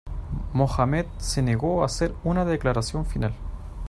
Muhammad se negó a hacer una declaración final.